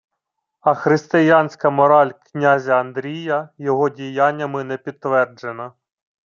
А християнська мораль князя Андрія його діяннями не підтверджена